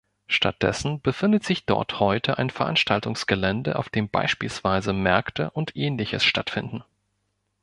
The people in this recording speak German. Stattdessen befindet sich dort heute ein Veranstaltungsgelände auf dem beispielsweise Märkte und Ähnliches stattfinden.